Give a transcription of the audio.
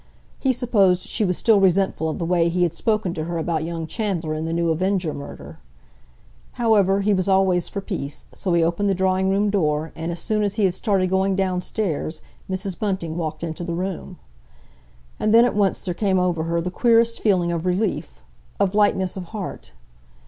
He supposed she was still resentful of the way he had spoken to her about young Chandler and the new Avenger murder. However, he was always for peace, so he opened the drawing room door, and as soon as he had started going downstairs Mrs. Bunting walked into the room. And then at once there came over her the queerest feeling of relief, of lightness of heart.